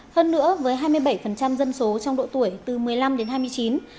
hơn nữa với hai mươi bảy dân số trong độ tuổi từ một mươi năm đến hai mươi chín